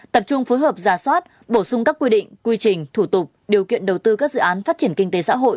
tập trung phối hợp ra soát bổ sung các quy định quy trình thủ tục điều kiện đầu tư các dự án phát triển kinh tế xã hội